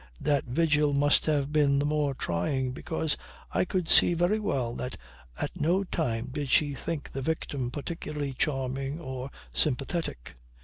That vigil must have been the more trying because I could see very well that at no time did she think the victim particularly charming or sympathetic.